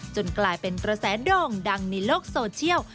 กลายเป็นกระแสโด่งดังในโลกโซเชียล